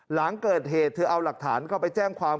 หลังเกิดเหตุเธอเอาหลักฐานเข้าไปแจ้งความ